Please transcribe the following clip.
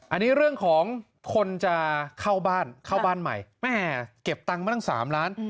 อันนี้เรื่องของคนจะเข้าบ้านเข้าบ้านใหม่แม่เก็บตังค์มาตั้ง๓ล้าน